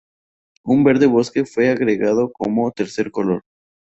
Un verde bosque fue agregado como tercer color.